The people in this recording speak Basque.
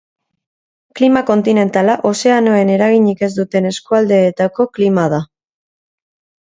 Klima kontinentala ozeanoen eraginik ez duten eskualdeetako klima da.